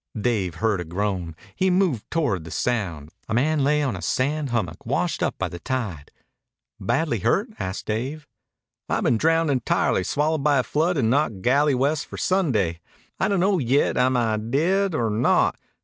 Dave heard a groan. He moved toward the sound. A man lay on a sand hummock, washed up by the tide. "Badly hurt?" asked Dave. "I've been drowned intirely, swallowed by a flood and knocked galley west for Sunday. I don't know yit am I dead or not.